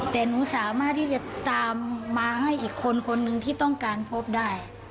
แต่หนูสามารถที่จะตามมาให้อีกคนคนหนึ่งที่ต้องการพบได้